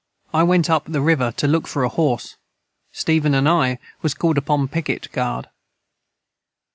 I went up the river to look for a horse Steven & I was cald upon picit guard.